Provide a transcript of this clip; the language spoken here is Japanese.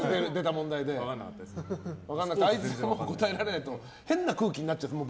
あいつが答えられないと変な空気になっちゃうんです